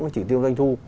chỉ tiêu doanh thu